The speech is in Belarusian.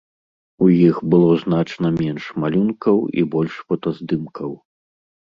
У іх было значна менш малюнкаў і больш фотаздымкаў.